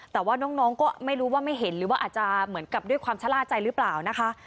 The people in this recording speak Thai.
แต่ว่าน้องก็ไม่รู้ว่าไม่เห็นหรือว่าอาจจะเหมือนกับด้วยความชะล่าใจหรือเปล่านะคะ